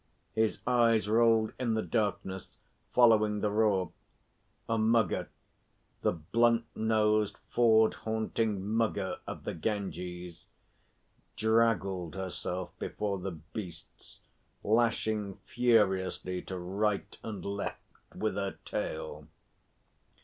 His eyes rolled in the darkness following the roar. A Mugger the blunt nosed, ford haunting Mugger of the Ganges draggled herself before the beasts, lashing furiously to right and left with her tail.